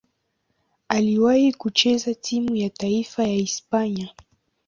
Aliwahi kucheza timu ya taifa ya Hispania.